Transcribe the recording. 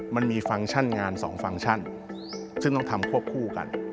มันมีฟังก์ชั่นงานสองฟังก์ชั่นซึ่งต้องทำควบคู่กัน